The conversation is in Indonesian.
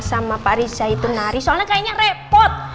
sama pak riza itu nari soalnya kayaknya repot